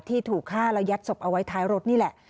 ถูกฆ่าแล้วยัดศพเอาไว้ท้ายรถนี่แหละ